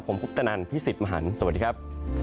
ผมคุปตนันพี่สิทธิ์มหันฯสวัสดีครับ